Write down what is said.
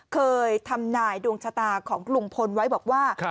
เคยทำนายดวงชะตาของลุงพลไว้บอกว่า